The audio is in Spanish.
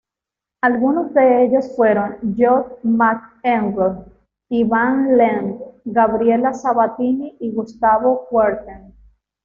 Algunos de ellos fueron John McEnroe, Ivan Lendl, Gabriela Sabatini y Gustavo Kuerten.